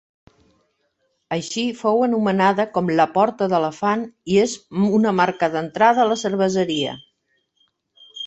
Així fou anomenada com La Porta d'Elefant i és una marca d'entrada a la cerveseria.